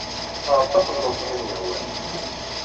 Aɣ-d taqendurt i am-yehwan.